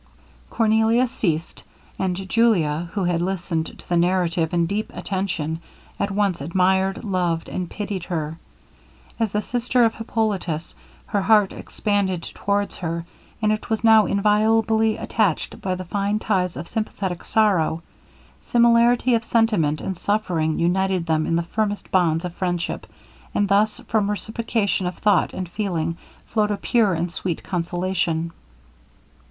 Cornelia ceased, and Julia, who had listened to the narrative in deep attention, at once admired, loved, and pitied her. As the sister of Hippolitus, her heart expanded towards her, and it was now inviolably attached by the fine ties of sympathetic sorrow. Similarity of sentiment and suffering united them in the firmest bonds of friendship; and thus, from reciprocation of thought and feeling, flowed a pure and sweet consolation.